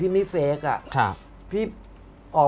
แมทโอปอล์